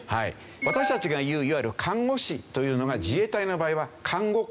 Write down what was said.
私たちが言ういわゆる看護師というのが自衛隊の場合は看護官